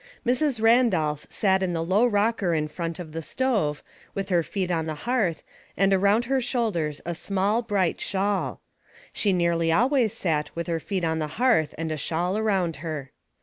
Mrs. Randolph sat in the low rocker in front of the stove, with lier feet on the hearth, and around her shoulders a small bright shawl. She nearly always sat with her feet on the hearth and a shawl around her.